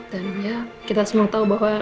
dan ya kita semua tahu bahwa